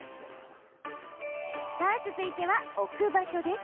続いては置く場所です。